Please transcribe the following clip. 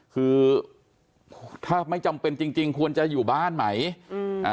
คือถ้าไม่จำเป็นจริงจริงควรจะอยู่บ้านไหมอืมอ่า